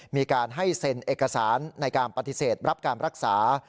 มีการให้เซ็นเอกสารในการปฏิเสธรับการรักษา